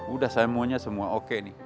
udah saya maunya semua oke nih